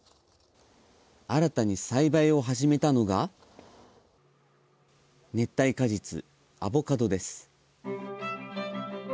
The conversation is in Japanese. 新たに栽培を始めたのが熱帯果実アボカドです。